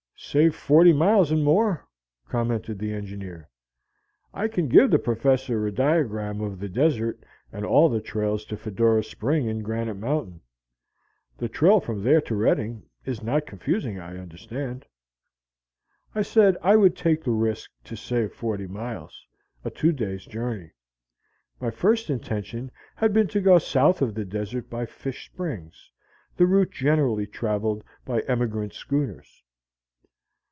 "Save forty miles and more," commented the engineer. "I can give the Professor a diagram of the desert and all the trails to Fedora Spring in Granite Mt.; the trail from there to Redding is not confusing, I understand." I said I would take the risk to save forty miles, a two days' journey. My first intention had been to go south of the desert by Fish Springs, the route generally traveled by emigrant schooners.